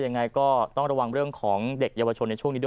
ยังไงก็ต้องระวังเรื่องของเด็กเยาวชนในช่วงนี้ด้วย